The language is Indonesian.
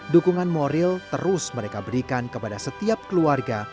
dukungan moral terus mereka berikan kepada setiap keluarga